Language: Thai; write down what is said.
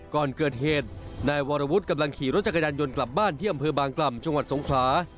ก่อนเกิดเหตุนายวรวุฒิกำลังขี่รถจักรยานยนต์กลับบ้านที่อำเภอบางกล่ำจังหวัดสงขลา